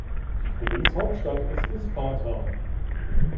Die Provinzhauptstadt ist Isparta.